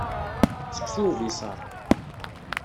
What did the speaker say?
Seksu ubiṣaṛ.